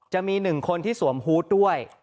จะมีหนึ่งคนที่สวมฮูตด้วย